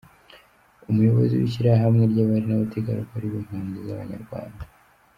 Umuyobozi w’ishyirahamwe ry’abari n’abategarugori b’impunzi z’abanyarwanda